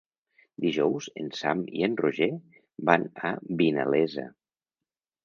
Dijous en Sam i en Roger van a Vinalesa.